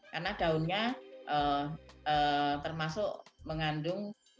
karena daunnya termasuk mengandung